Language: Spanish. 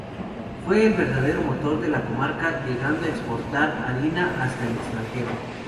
Fue el verdadero motor de la comarca, llegando a exportar harina hasta el extranjero.